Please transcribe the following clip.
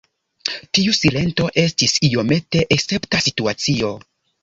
Tiu silento estis iomete escepta situacio.